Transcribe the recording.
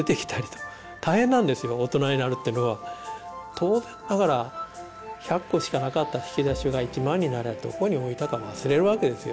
当然ながら１００個しかなかった引き出しが１万にもなるとどこに置いたか忘れるわけですよ。